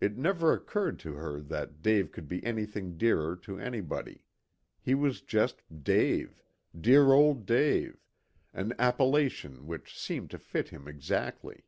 It never occurred to her that Dave could be anything dearer to anybody. He was just Dave dear old Dave, an appellation which seemed to fit him exactly.